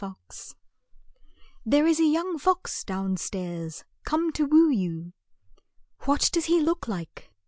FOX "There is a young fox down stairs, come to woo you." "What does he look like?"